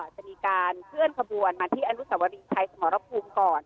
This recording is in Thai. จะมีการเคลื่อนขบวนมาที่อนุสวรีชัยสมรภูมิก่อน